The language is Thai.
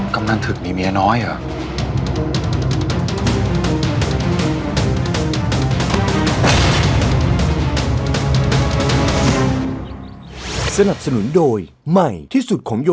กัดพี่คนเห็นช้าโอ้ยโอ้ยโอ้ย